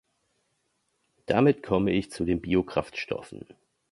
Damit komme ich zu den Biokraftstoffen.